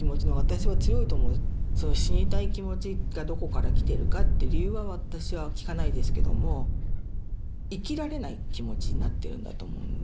その死にたい気持ちがどこから来てるかって理由は私は聞かないですけども生きられない気持ちになってるんだと思うんですね。